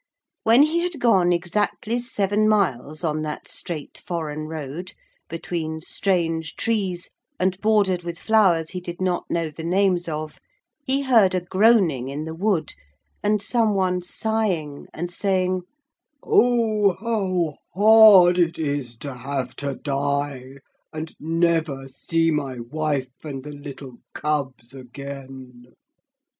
When he had gone exactly seven miles on that straight foreign road, between strange trees, and bordered with flowers he did not know the names of, he heard a groaning in the wood, and some one sighing and saying, 'Oh, how hard it is, to have to die and never see my wife and the little cubs again.'